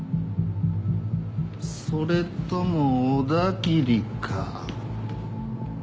それとも小田切か？